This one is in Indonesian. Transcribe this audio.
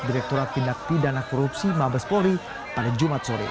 direkturat tindak pidana korupsi mabes polri pada jumat sore